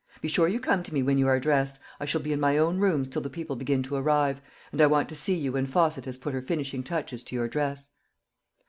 Be sure you come to me when you are dressed. I shall be in my own rooms till the people begin to arrive; and I want to see you when Fosset has put her finishing touches to your dress."